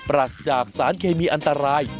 รัสจากสารเคมีอันตราย